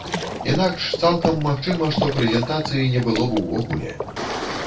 Інакш, цалкам магчыма, што прэзентацыі не было б увогуле.